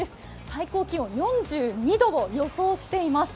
最高気温、４２度を予想しています。